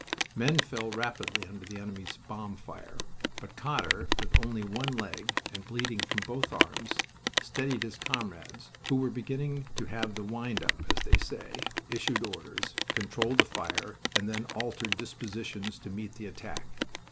Men fell rapidly under the enemy's bomb fire, but Cotter, with only one leg, and bleeding from both arms, steadied his comrades, who were beginning to have the wind up, as they say, issued orders, controlled the fire, and then altered dispositions to meet the attack.